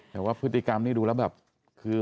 แต่ว่าพฤติกรรมนี่ดูแล้วแบบคือ